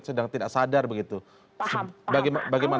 sedang tidak sadar begitu paham bagaimana bagaimana